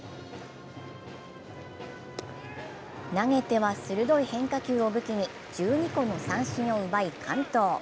投げては鋭い変化球を武器に１２個の三振を奪い完投。